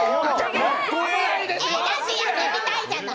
だって、やってみたいじゃない。